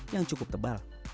yang cukup tebal